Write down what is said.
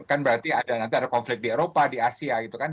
kan berarti ada nanti ada konflik di eropa di asia gitu kan